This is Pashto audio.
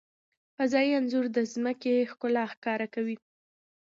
فضايي انځور د ځمکې ښکلا ښکاره کوي.